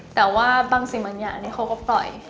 แต่ว่าบางสิ่งเหมือนอย่างนี้เขาก็ปล่อย